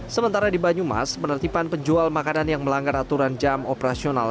sementara di banyumas penertiban penjual makanan yang melanggar aturan jam operasional